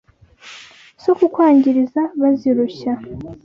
Zo kukwangirira bazirushya